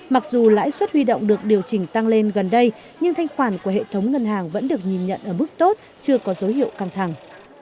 mặc dù lãi suất huy động được điều chỉnh tăng lên gần đây nhưng thanh khoản của hệ thống ngân hàng vẫn được nhìn nhận ở mức tốt chưa có dấu hiệu căng thẳng